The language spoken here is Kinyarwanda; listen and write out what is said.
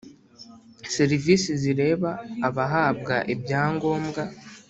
Serivisi zireba abahabwa ibya ngombwa